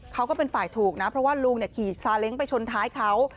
เขาก็เป็นฝ่ายถูกนะเพราะว่าลุงขี่ซาเล้งไปชนท้ายเขา